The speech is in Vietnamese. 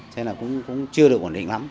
thế là cũng chưa được ổn định lắm